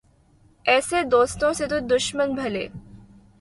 ایسے دوستو سے تو دشمن بھلے